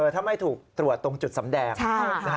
ถ้าไม่ถูกตรวจตรงจุดสำแดง